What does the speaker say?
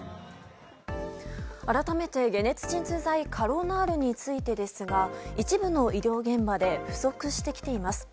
改めて、解熱鎮痛剤カロナールについてですが一部の医療現場で不足してきています。